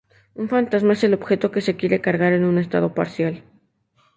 Un "fantasma" es el objeto que se quiere cargar en un estado parcial.